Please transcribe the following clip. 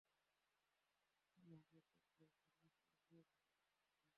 কোনো ভাবে একটা গ্লাস বাংলা সাবান দিয়ে ধুয়েই কলসি মুখে যায়।